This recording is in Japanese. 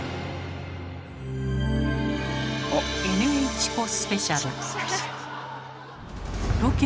「ＮＨコスペシャル」。